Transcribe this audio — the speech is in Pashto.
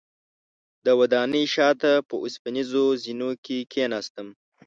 د ودانۍ شاته په اوسپنیزو زینو کې کیناستم.